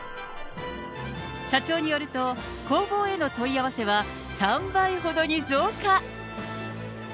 社長によると、工房への問い合わせは３倍ほどに増加。